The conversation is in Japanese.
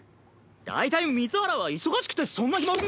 だいたい水原は忙しくてそんな暇ん？